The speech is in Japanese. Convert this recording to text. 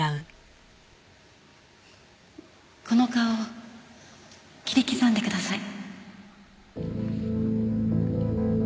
この顔を切り刻んでください。